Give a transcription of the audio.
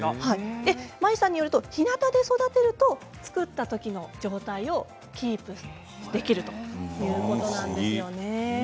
ＭＡｉさんによるとひなたで育てると作ったときの状態をキープできるということなんですよね。